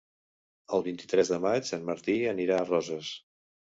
El vint-i-tres de maig en Martí anirà a Roses.